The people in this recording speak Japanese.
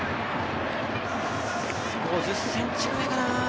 ５０ｃｍくらいかな。